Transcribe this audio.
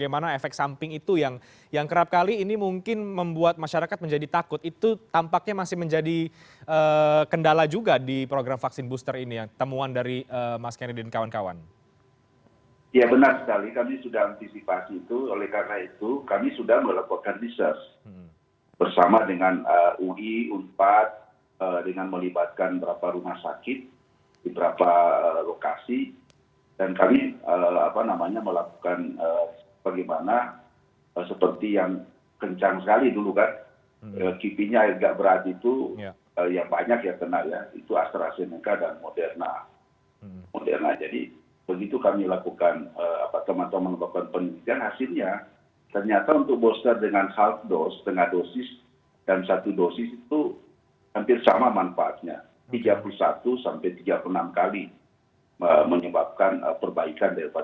mereka yang berpendidikan pendapatan menengah ke bawah cenderung lebih resisten terhadap program vaksin booster ini